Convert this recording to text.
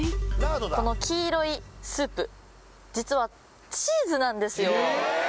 この黄色いスープ実はチーズなんですよ